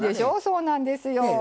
そうなんですよ。